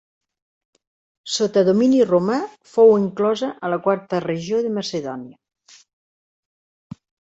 Sota domini romà fou inclosa a la quarta regió de Macedònia.